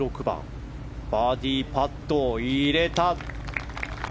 バーディーパット、入れた。